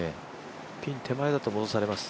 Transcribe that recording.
ピン手前だと戻されます。